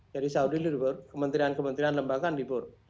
jadi saudi libur kementerian kementerian lembangan libur